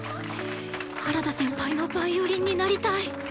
原田先輩のヴァイオリンになりたい！